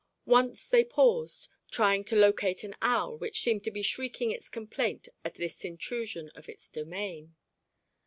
Once they paused, trying to locate an owl which seemed to be shrieking its complaint at this intrusion of its domain.